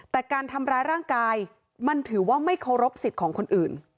แต่การทำร้ายร่างกายมันถือว่าไม่เคารพสิทธิ์ของคนอื่น